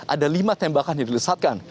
ada lima tembakan yang dilesatkan